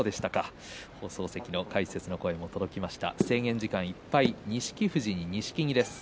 放送席の解説の声も届きました。